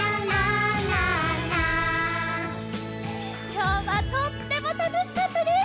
きょうはとってもたのしかったです！